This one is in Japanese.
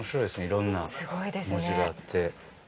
色んな文字があって。